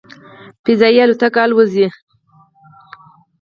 "فضايي الوتکې" الوځولې.